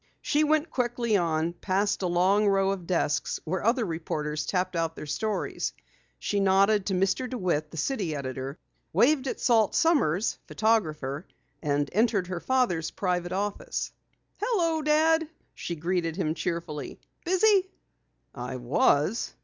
She went quickly on, past a long row of desks where other reporters tapped out their stories. She nodded to Mr. DeWitt, the city editor, waved at Salt Sommers, photographer, and entered her father's private office. "Hello, Dad," she greeted him cheerfully. "Busy?" "I was."